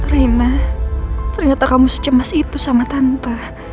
reina ternyata kamu secemas itu sama tanpa